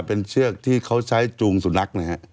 เป็นเชือกที่เขาใช้จูงสุนัขนะฮะ